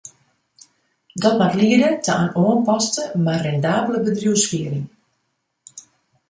Dat moat liede ta in oanpaste, mar rendabele bedriuwsfiering.